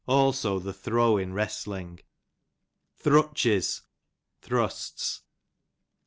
also the throw in wrestling. Thrutches, thrusts.